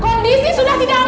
kondisi sudah tidak aman